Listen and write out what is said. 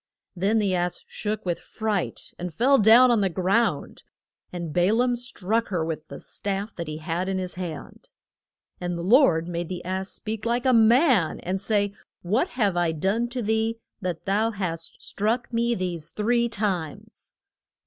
Then the ass shook with fright and fell down on the ground. And Ba laam struck her with the staff that he had in his hand. And the Lord made the ass speak like a man, and say, What have I done to thee that thou hast struck me these three times?